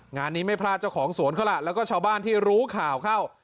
งานนี้ไม่พลาดเจ้าของสวนเขาล่ะแล้วก็ชาวบ้านที่รู้ข่าวเข้า